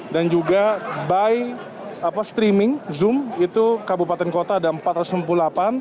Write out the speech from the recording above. dan juga by streaming zoom itu kabupaten kota ada empat ratus lima puluh delapan